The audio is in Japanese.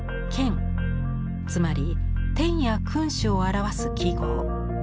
つまり「天」や「君主」を表す記号。